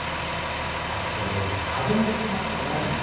きょう、上原さん、風も吹きましたね。